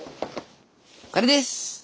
これです！